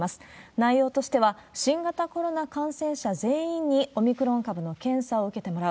内容としては、新型コロナ感染者全員にオミクロン株の検査を受けてもらう。